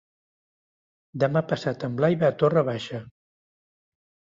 Demà passat en Blai va a Torre Baixa.